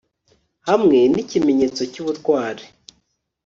hamwe n'ikimenyetso cy'ubutwari